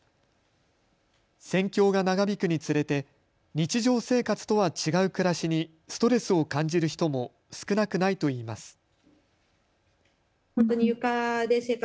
戦況が長引くにつれて日常生活とは違う暮らしにストレスを感じる人も少なくないといいます。